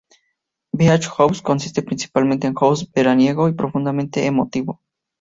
Beach House consiste principalmente en house veraniego y profundamente emotivo.